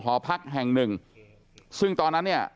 หอพักแห่งหนึ่งซึ่งตอนนั้นเนี่ย